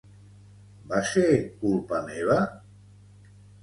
Va ser culpa meva?